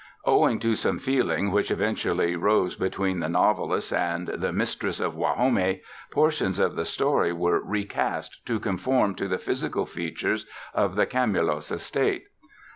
Owing to some feeling which eventually rose between the novelist and the mistress of Guajome, portions of the story were recast to conform to the physical features of the Camulos estate.